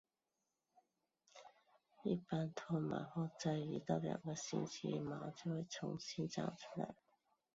一般脱毛后在一到两个星期毛就回重新长出来。